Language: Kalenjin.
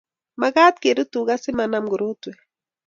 Makat kerut tuga si manam korotwek